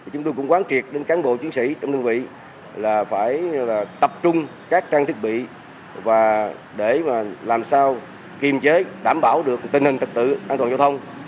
chúng tôi cũng quán triệt đến cán bộ chiến sĩ trong đơn vị là phải tập trung các trang thiết bị và để làm sao kiềm chế đảm bảo được tình hình trật tự an toàn giao thông